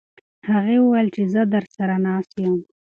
هغې وویل چې زه درسره ناسته یم.